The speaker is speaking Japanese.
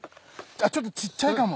ちょっとちっちゃいかも。